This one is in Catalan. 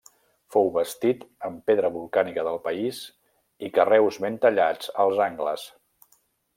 Fou bastit amb pedra volcànica del país i carreus ben tallats als angles.